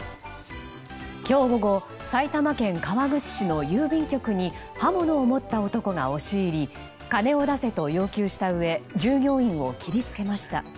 今日午後埼玉県川口市の郵便局に刃物を持った男が押し入り金を出せと要求したうえ従業員を切りつけました。